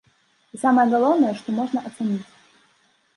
І самае галоўнае, што можна ацаніць.